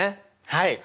はい。